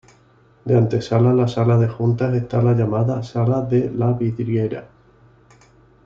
De antesala a la sala de juntas está la llamada "sala de la vidriera".